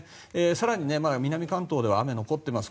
更に、南関東では雨が残っています。